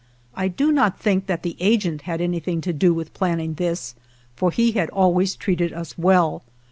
I do not think that the agent had anything to do with planning this, for he had always treated us well.